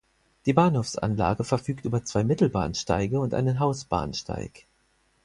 Die Bahnhofsanlage verfügt über zwei Mittelbahnsteige und einen Hausbahnsteig.